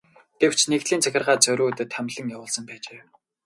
Гэвч нэгдлийн захиргаа зориуд томилон явуулсан байжээ.